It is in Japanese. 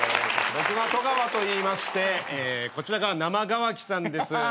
僕が戸川といいましてこちらが生乾木さんです。